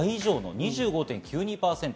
２５．９２％。